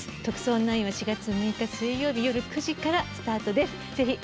『特捜９』は４月６日水曜日よる９時からスタートです。